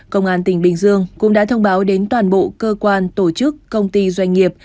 công an tỉnh bình dương cũng đã thông báo đến toàn bộ cơ quan tổ chức công ty doanh nghiệp